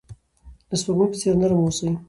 د سپوږمۍ په څیر نرم اوسئ.